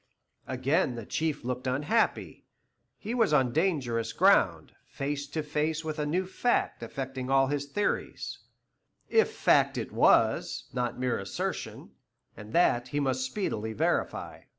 Again the Chief looked unhappy. He was on dangerous ground, face to face with a new fact affecting all his theories, if fact it was, not mere assertion, and that he must speedily verify.